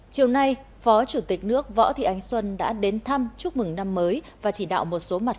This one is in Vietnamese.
chiều nay phó chủ tịch nước võ thị ánh xuân đã đến thăm chúc mừng năm mới và chỉ đạo một số mặt